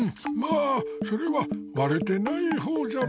あそれはわれてないほうじゃろうなぁ。